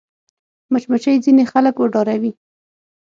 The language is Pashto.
مچمچۍ ځینې خلک وډاروي